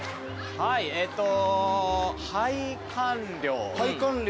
はいえっと拝観料。